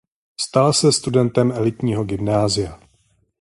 Stal se studentem elitního gymnázia.